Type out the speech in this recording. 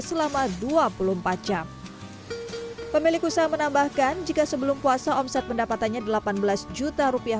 selama dua puluh empat jam pemilik usaha menambahkan jika sebelum puasa omset pendapatannya delapan belas juta rupiah